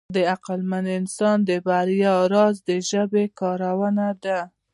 د عقلمن انسان د بریا راز د ژبې کارونه ده.